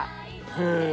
へえ。